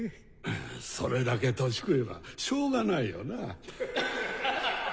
それだけ年食えばしょうがないよなぁ。